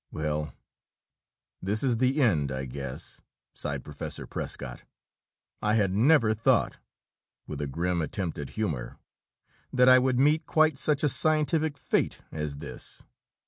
"Well, this is the end, I guess," sighed Professor Prescott. "I had never thought," with a grim attempt at humor, "that I would meet quite such a scientific fate as this!"